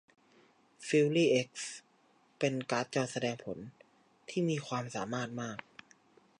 ฟิวรี่เอ็กซ์เป็นการ์ดจอแสดงผลที่มีความสามารถมาก